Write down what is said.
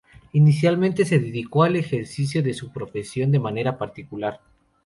Inicialmente se dedicó al ejercicio de su profesión de manera particular.